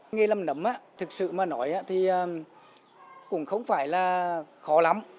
nghề làm nấm thực sự mà nói thì cũng không phải là khó lắm